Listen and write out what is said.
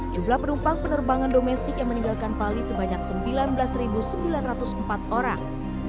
jumlah penumpang penerbangan domestik yang meninggalkan bali sebanyak sembilan belas sembilan ratus empat orang